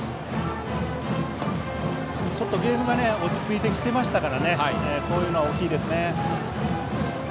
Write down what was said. ゲームが落ち着いてきていましたのでこういうのは大きいですね。